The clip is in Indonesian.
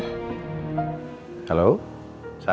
kenapa sih dia selalu beruntung